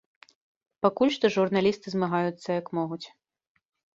Пакуль што журналісты змагаюцца як могуць.